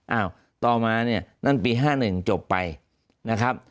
อ้าวต่อมาเนี่ยนั่นปี๕๑จบไปนะครับ